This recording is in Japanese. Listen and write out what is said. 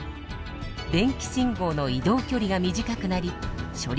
電気信号の移動距離が短くなり処理速度がアップ。